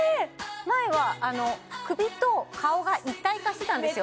前は首と顔が一体化してたんですよ